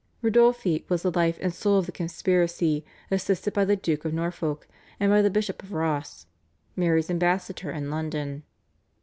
Ridolfi was the life and soul of the conspiracy, assisted by the Duke of Norfolk and by the Bishop of Ross, Mary's ambassador in London.